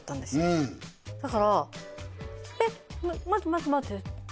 うんだから「えっ待って待って待って」